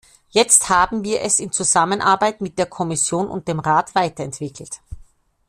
Jetzt haben wir es in Zusammenarbeit mit der Kommission und dem Rat weiterentwickelt.